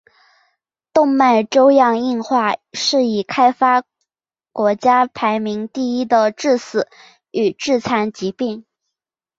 动脉粥样硬化是已开发国家排名第一的致死与致残疾病。